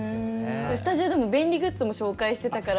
スタジオでも便利グッズも紹介してたから。